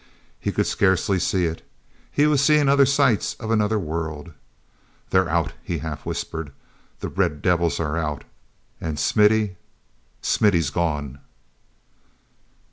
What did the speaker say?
He could scarcely see it—he was seeing other sights of another world. "They're out," he half whispered. "The red devils are out—and Smithy—Smithy's gone!"